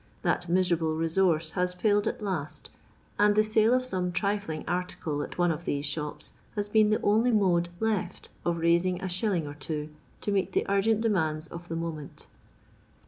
That miserable resource has foiled at last, and the sale of some trifling article at one of these shops, has been the only mode left of raising a shilling or two, to meet the uigent demands of the moment.